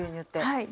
はい。